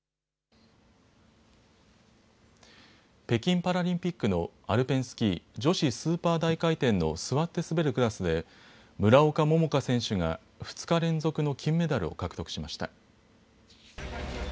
北京パラリンピックのアルペンスキー、女子スーパー大回転の座って滑るクラスで村岡桃佳選手が２日連続の金メダルを獲得しました。